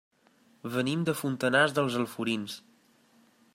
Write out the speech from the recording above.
Venim de Fontanars dels Alforins.